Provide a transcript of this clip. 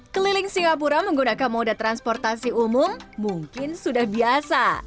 keliling singapura menggunakan moda transportasi umum mungkin sudah biasa